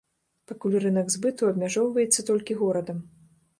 Пакуль рынак збыту абмяжоўваецца толькі горадам.